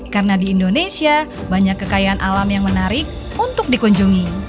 karena di indonesia banyak kekayaan alam yang menarik untuk dikunjungi